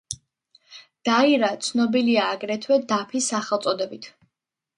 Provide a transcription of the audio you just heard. დაირა, ცნობილია აგრეთვე დაფის სახელწოდებით.